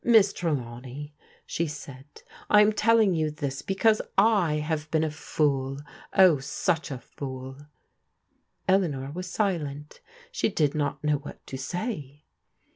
" Miss Trelawney," she said, " I am telling you this because I have been a fool ! Oh, such a fool !" Eleanor was silent. She did not know what to say.